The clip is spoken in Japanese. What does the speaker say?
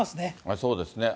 そうですね。